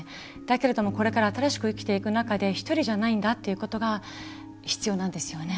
だけれどもこれから新しく生きていく中で１人じゃないんだっていうことが必要なんですよね。